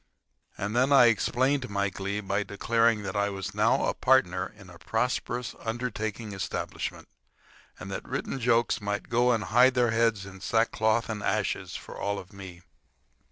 And then I explained my glee by declaring that I was now a partner in a prosperous undertaking establishment, and that written jokes might go hide their heads in sackcloth and ashes for all me.